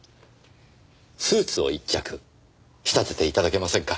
スーツを一着仕立てていただけませんか。